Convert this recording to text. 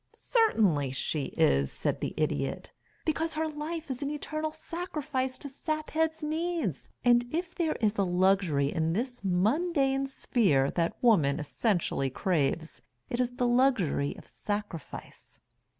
"Certainly she is," said the Idiot. "Because her life is an eternal sacrifice to Saphead's needs, and if there is a luxury in this mundane sphere that woman essentially craves it is the luxury of sacrifice.